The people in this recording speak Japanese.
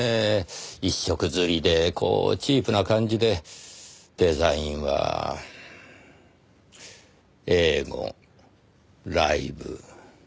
一色刷りでこうチープな感じでデザインは。英語Ｌｉｖｅ。